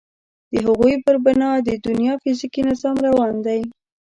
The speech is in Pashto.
د هغوی پر بنا د دنیا فیزیکي نظام روان دی.